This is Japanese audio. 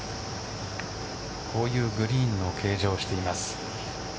こういうグリーンの形状をしています。